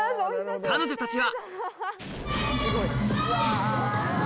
彼女たちは